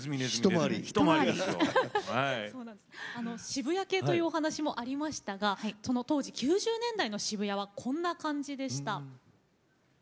渋谷系というお話もありましたがその当時９０年代の渋谷はこんな感じでした。